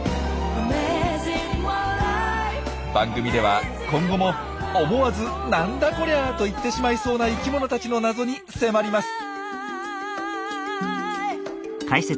番組では今後も思わず「なんだこりゃ！！」と言ってしまいそうな生きものたちの謎に迫ります！